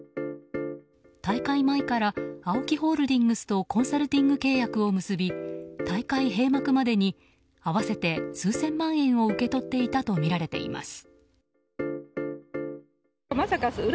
大会前からＡＯＫＩホールディングスとコンサルティング契約を結び大会閉幕までに合わせて数千万円を受け取っていたとみられています。